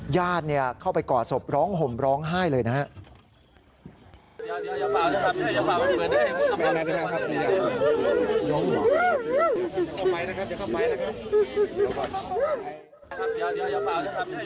ญาติเข้าไปกอดศพร้องห่มร้องไห้เลยนะครับ